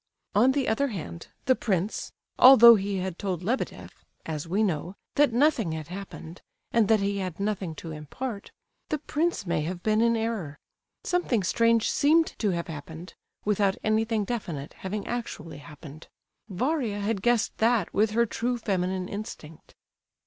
On the other hand, the prince, although he had told Lebedeff,—as we know, that nothing had happened, and that he had nothing to impart,—the prince may have been in error. Something strange seemed to have happened, without anything definite having actually happened. Varia had guessed that with her true feminine instinct.